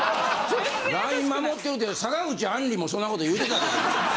ライン守ってるって坂口杏里もそんなこと言うてたけどな。